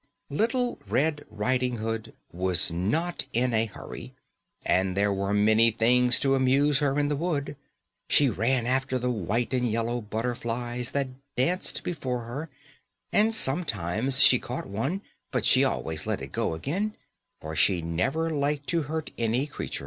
_ Little Red Riding Hood was not in a hurry, and there were many things to amuse her in the wood. She ran after the white and yellow butterflies that danced before her, and sometimes she caught one, but she always let it go again, for she never liked to hurt any creature.